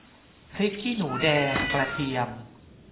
พริกขี้หนูแดง กระเทียม